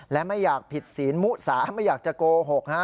และไม่อยากผิดศีลมุสาไม่อยากจะโกหก